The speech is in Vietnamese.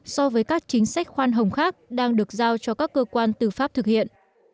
so với các chính sách khoan hồng khác đang được giao cho các cơ quan tư pháp thực hiện